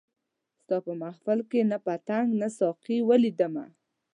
ستا په محفل کي نه پتنګ نه ساقي ولیدمه